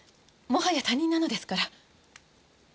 もはや他人なのですから。